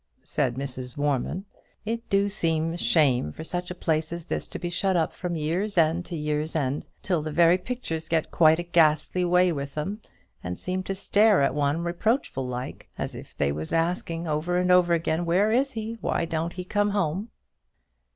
said Mrs. Warman. "It do seem a shame for such a place as this to be shut up from year's end to year's end, till the very pictures get quite a ghastly way with them, and seem to stare at one reproachful like, as if they was asking, over and over again, 'Where is he? Why don't he come home?'"